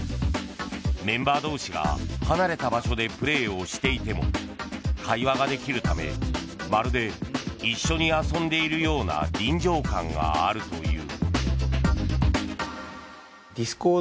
メンバー同士が離れた場所でプレーをしていても会話ができるためまるで一緒に遊んでいるような臨場感があるという。